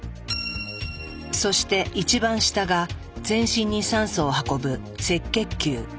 そして一番下が全身に酸素を運ぶ赤血球。